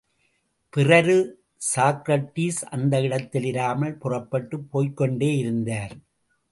பிறரு சாக்ரடிஸ் அந்த இடத்தில் இராமல் புறப்பட்டுப் போய்க்கொண்டே இருந்தார்.